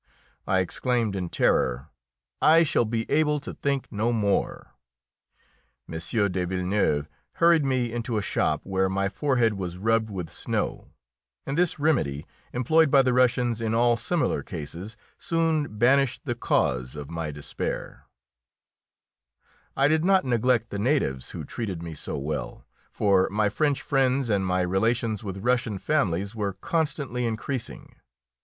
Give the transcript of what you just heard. I exclaimed in terror, "I shall be able to think no more!" M. de Villeneuve hurried me into a shop, where my forehead was rubbed with snow, and this remedy, employed by the Russians in all similar cases, soon banished the cause of my despair. [Illustration: MARIE ANTOINETTE.] I did not neglect the natives who treated me so well, for my French friends and my relations with Russian families were constantly increasing.